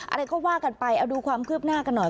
อะไรก็ว่ากันไปเอาดูความคืบหน้ากันหน่อย